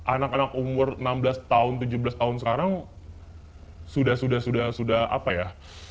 anak anak umur enam belas tahun tujuh belas tahun sekarang sudah sudah apa ya